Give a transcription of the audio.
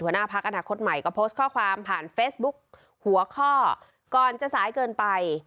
หัวหน้าพักอนาคตใหม่ก็โพสต์ข้อความผ่านเฟซบุ๊กหัวข้อก่อนจะสายเกินไป